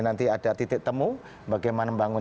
nanti ada titik temu bagaimana membangun